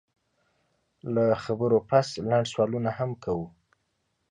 له خبرو پس لنډ سوالونه هم کوو